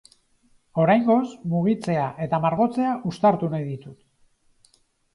Oraingoz, mugitzea eta margotzea uztartu nahi ditut.